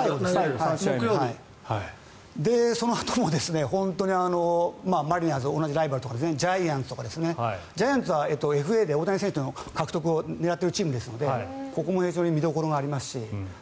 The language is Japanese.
そのあとも本当にマリナーズ同じライバルとかジャイアンツとかジャイアンツはＦＡで大谷選手の獲得を狙ってるチームですのでここも非常に見どころがありますし。